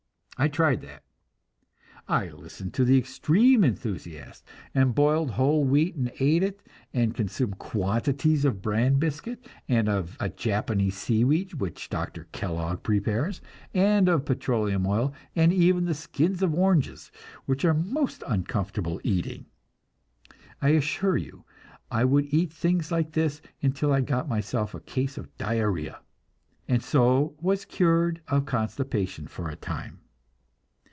I tried that. I listened to the extreme enthusiasts, and boiled whole wheat and ate it, and consumed quantities of bran biscuit, and of a Japanese seaweed which Dr. Kellogg prepares, and of petroleum oil, and even the skins of oranges, which are most uncomfortable eating, I assure you. I would eat things like this until I got myself a case of diarrhea and so was cured of constipation for a time!